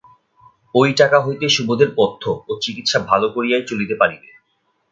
ঐ টাকা হইতে সুবোধের পথ্য ও চিকিৎসা ভালো করিয়াই চলিতে পারিবে।